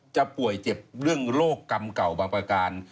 ป่วยเจ็บเรื่องโรคกรรมเก่าบางประการ